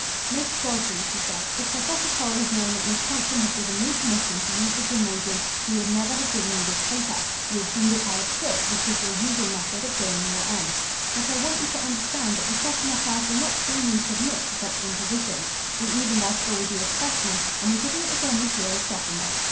"Miss Crosby," she said, "if Professor Cole had known that Miss Thompson had given me permission to use the gymnasium, he would never have given you this paper. You obtained it by a trick, which is your usual method of gaining your ends. But I want you to understand that the sophomore class will not tamely submit to such impositions. We evened our score with you as freshmen, and we shall do it again this year as sophomores.